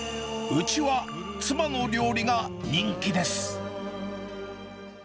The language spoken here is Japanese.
ウチは妻の料理が人気です！